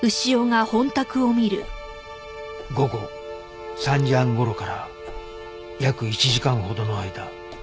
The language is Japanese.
午後３時半頃から約１時間ほどの間